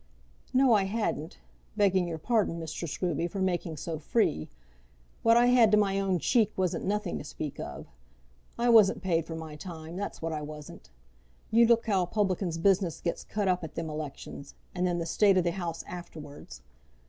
"No, I hadn't; begging your pardon, Mr. Scruby, for making so free. What I had to my own cheek wasn't nothing to speak of. I wasn't paid for my time; that's what I wasn't. You look how a publican's business gets cut up at them elections; and then the state of the house afterwards!